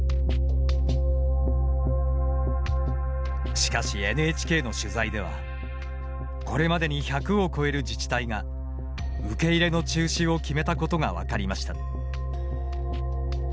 しかしＮＨＫの取材ではこれまでに１００を超える自治体が受け入れの中止を決めたことが分かりました。